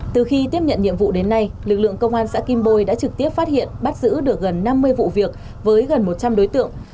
từ khi tiếp nhận nhiệm vụ đến nay lực lượng công an xã kim bôi đã trực tiếp phát hiện bắt giữ được gần năm mươi vụ việc với gần một trăm linh đối tượng